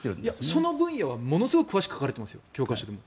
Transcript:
その分野はものすごく詳しく書かれていますよ、教科書に。